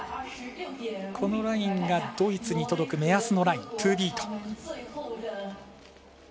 このラインがドイツに届く目安のライン、トゥービート。